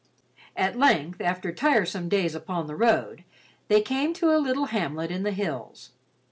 At length, after tiresome days upon the road, they came to a little hamlet in the hills.